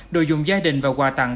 đồ dùng gia đình và quà tặng